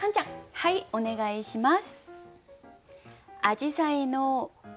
はいお願いします。